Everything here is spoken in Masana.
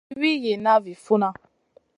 Nani mi Wii yihna vi funna.